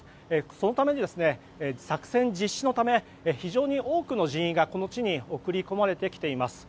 そのため、作戦実施のため非常に多くの人員がこの地に送り込まれてきています。